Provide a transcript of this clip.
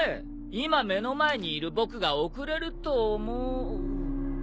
今目の前にいる僕が送れると思うか？